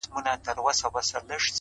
وخت د ارمانونو ریښتینولي ازموي